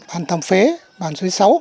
bản tầm phế bản suối sấu